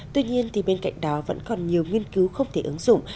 tuy nhiên bên cạnh đó vẫn còn nhiều nghiên cứu không thể ứng dụng